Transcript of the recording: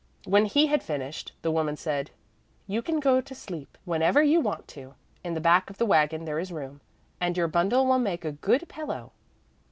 When he had finished, the woman said: "You can go to sleep whenever you want to. In the back of the wagon there is room, and your bundle will make a good pillow."